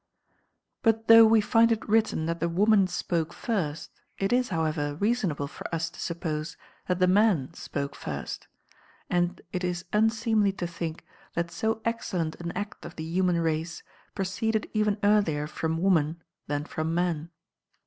But though we find it written that the woman spoke first, it is, however, reasonable for us to suppose that l^oJ th_" man spoke first; and it is unseemly to think that so excellent an act of the human race proceeded even earlier from woman than from man.